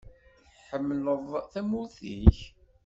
Tḥemmleḍ tamurt-ik?